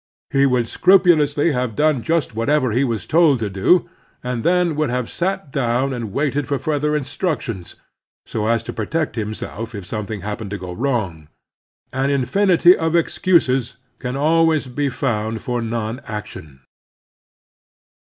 He would scrupulously have done just whatever he was told to do, and then would have sat down and waited for further instructions, so as to protect himself if something happened to go wrong. An Admiral Dcwcy 187 infinity of excuses can always be found for non action.